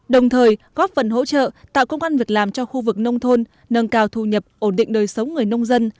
đồng thời góp phần hỗ trợ tạo công an việc làm cho khu vực nông thôn nâng cao thu nhập ổn định đời sống người nông dân